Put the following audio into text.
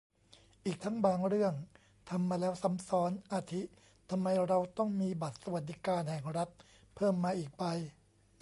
อีกทั้งบางเรื่องทำมาแล้ว ซ้ำซ้อน อาทิ ทำไมเราต้องมีบัตรสวัสดิการแห่งรัฐ เพิ่มมาอีกใบ